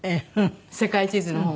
世界地図の本を。